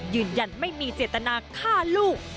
ยืนยันไม่มีเจตนาฆ่าลูก